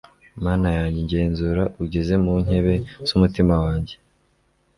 mana yanjye, ngenzura ugeze mu nkebe z'umutima wanjye